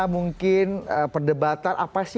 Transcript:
mungkin perdebatan apa sih